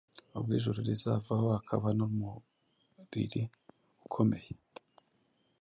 ubwo ijuru rizavaho, hakaba n’umuriri ukomeye,